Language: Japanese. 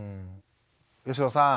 吉野さん